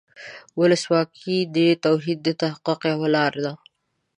ولسواکي د توحید د تحقق یوه لاره ده.